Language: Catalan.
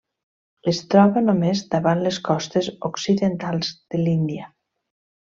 Es troba només davant les costes occidentals de l'Índia.